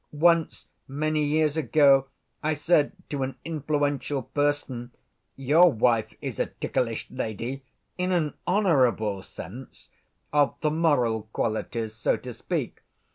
Once, many years ago, I said to an influential person: 'Your wife is a ticklish lady,' in an honorable sense, of the moral qualities, so to speak.